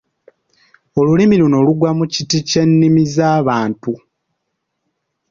"Olulimi luno lugwa mu kiti ky’ennimi za ""Bantu""."